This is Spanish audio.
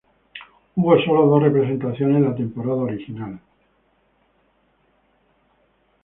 Hubo solo dos representaciones en la temporada original.